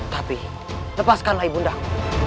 tapi lepaskanlah ibundaku